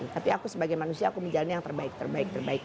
tapi aku sebagai manusia aku menjalani yang terbaik terbaik